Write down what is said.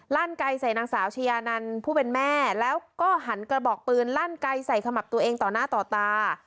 ไกลใส่นางสาวชายานันผู้เป็นแม่แล้วก็หันกระบอกปืนลั่นไกลใส่ขมับตัวเองต่อหน้าต่อตา